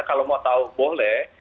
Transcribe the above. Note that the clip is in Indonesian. kalau mau tahu boleh